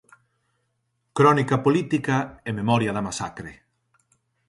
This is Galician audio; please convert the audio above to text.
Crónica política e Memoria da masacre.